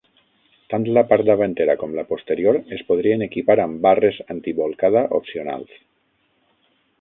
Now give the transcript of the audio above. Tant la part davantera com la posterior es podrien equipar amb barres antibolcada opcionals.